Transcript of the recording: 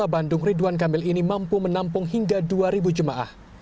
kota bandung ridwan kamil ini mampu menampung hingga dua jemaah